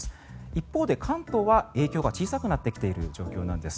一方で、関東は影響が小さくなってきている状況なんです。